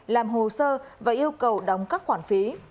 làm hồ sơ và yêu cầu đóng các khoản phí